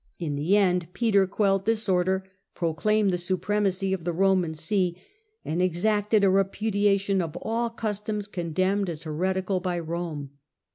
In the end Peter quelled disorder, proclaimed the supremacy of the Roman see, and exacted a repudiation of all customs condemned as heretical by Rome.